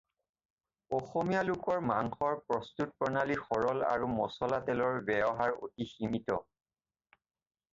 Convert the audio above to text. অসমীয়া লোকৰ মাংসৰ প্ৰস্তুত প্ৰণালী সৰল আৰু মচলা তেলৰ ব্যৱহাৰ অতি সীমিত।